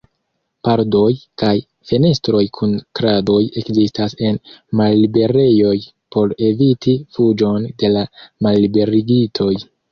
Pordoj kaj fenestroj kun kradoj ekzistas en malliberejoj por eviti fuĝon de la malliberigitoj.